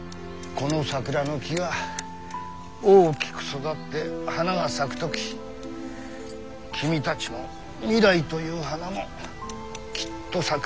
この桜の木が大きく育って花が咲く時君たちの未来という花もきっと咲く。